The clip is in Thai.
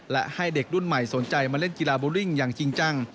และให้เด็กรุ่นใหม่สนใจมาเล่นกีฬาบูลลิ่งอย่างจริงจัง